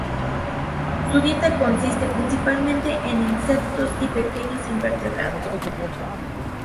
Su dieta consiste principalmente en insectos y pequeños invertebrados.